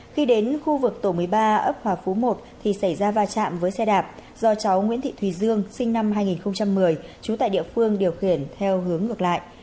khi đến khu vực tổ một mươi ba ấp hòa phú một thì xảy ra va chạm với xe đạp do cháu nguyễn thị thùy dương sinh năm hai nghìn một mươi trú tại địa phương điều khiển theo hướng ngược lại